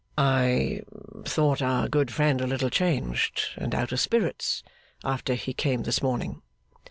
'I thought our good friend a little changed, and out of spirits, after he came this morning?